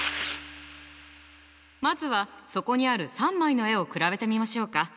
まずはそこにある３枚の絵を比べてみましょうか。